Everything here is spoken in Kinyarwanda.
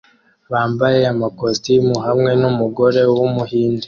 bambaye amakositimu hamwe n’umugore wumuhinde